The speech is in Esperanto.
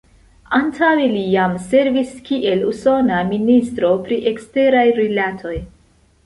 Antaŭe li jam servis kiel usona ministro pri eksteraj rilatoj.